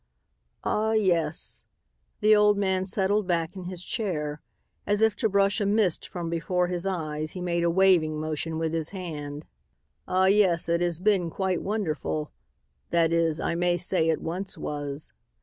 "Ah, yes," the old man settled back in his chair. As if to brush a mist from before his eyes, he made a waving motion with his hand. "Ah, yes, it has been quite wonderful, that is, I may say it once was.